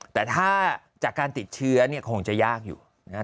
แต่ถ้าจากการติดเชื้อเนี่ยคงจะยากอยู่นะครับ